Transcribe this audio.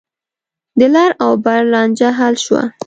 د لر او بر لانجه حل شوه.